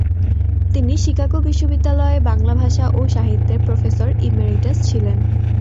তিনি শিকাগো বিশ্ববিদ্যালয়ে বাংলা ভাষা ও সাহিত্যের প্রফেসর ইমেরিটাস ছিলেন।